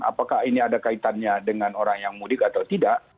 apakah ini ada kaitannya dengan orang yang mudik atau tidak